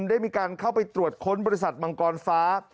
ได้มีการเข้าไปตรวจค้นบริษัทมังกรฟ้า